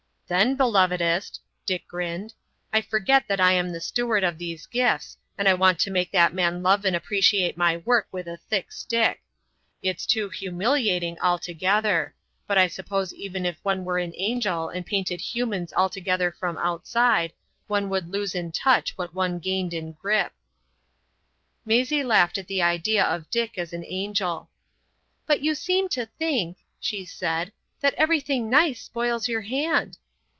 "Then, belovedest,"—Dick grinned,—"I forget that I am the steward of these gifts, and I want to make that man love and appreciate my work with a thick stick. It's too humiliating altogether; but I suppose even if one were an angel and painted humans altogether from outside, one would lose in touch what one gained in grip." Maisie laughed at the idea of Dick as an angel. "But you seem to think," she said, "that everything nice spoils your hand."